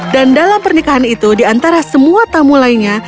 dan dalam pernikahan itu di antara semua tamu lainnya